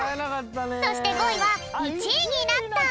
そして５いは「１いになった」。